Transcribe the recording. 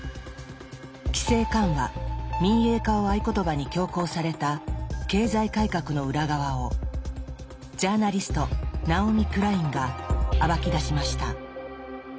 規制緩和民営化を合言葉に強行された経済改革の裏側をジャーナリストナオミ・クラインが暴き出しました。